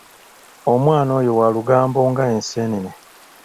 Omwana oyo wa lugambo nga Enseenene.